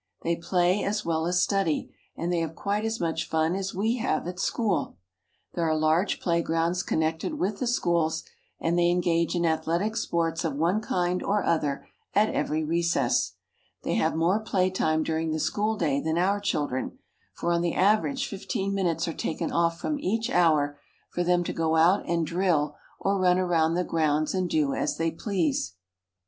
They play as well as study, and they have quite as much fun as we have at home. There are large playgrounds connected with the schools, and they engage in athletic sports of one kind or other at every recess. They have more play time during the school day than our children, for on the average fifteen minutes are taken off from each hour for them to go out and drill or run around the grounds and do as they please.